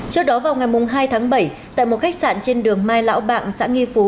trước đó vào ngày hai tháng bảy tại một khách sạn trên đường mai lão bạc xã nghi phú